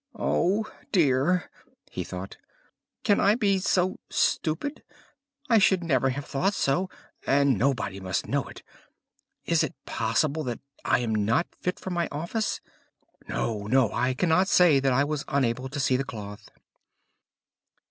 "Oh dear," he thought, "can I be so stupid? I should never have thought so, and nobody must know it! Is it possible that I am not fit for my office? No, no, I cannot say that I was unable to see the cloth."